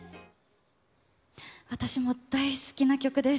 私も大好きな曲です。